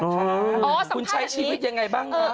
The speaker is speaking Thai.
อ๋อสัมภาษณ์แบบนี้คุณใช้ชีวิตยังไงบ้างอ่ะ